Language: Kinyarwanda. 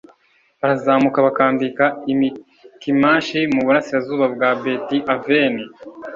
h Barazamuka bakambika i Mikimashi mu burasirazuba bwa Beti Aveni